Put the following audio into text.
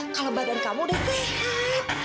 kalau badan kamu udah deh